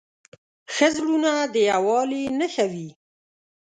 ښه زړونه د یووالي نښه وي.